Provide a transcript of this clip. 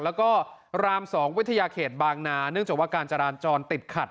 แล้วก็ราม๒วิทยาเขตบางนาเนื่องจากว่าการจราจรติดขัด